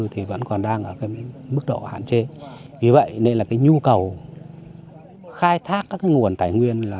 thì vẫn còn đang ở cái mức độ hạn chế vì vậy nên là cái nhu cầu khai thác các cái nguồn tài nguyên là